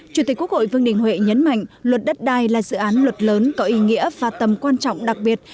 chủ tịch quốc hội vương đình huệ nhấn mạnh luật đất đai là dự án luật lớn có ý nghĩa và tầm quan trọng đặc biệt